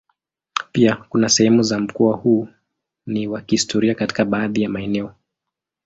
Pia kuna sehemu za mkoa huu ni wa kihistoria katika baadhi ya maeneo.